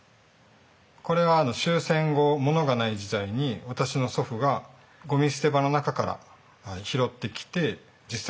これは終戦後物がない時代に私の祖父がごみ捨て場の中から拾ってきて実際使ってたものです。